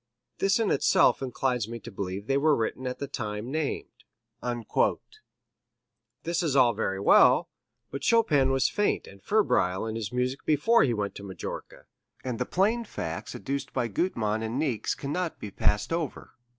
This in itself inclines me to believe they were written at the time named." This is all very well, but Chopin was faint and febrile in his music before he went to Majorca, and the plain facts adduced by Gutmann and Niecks cannot be passed over.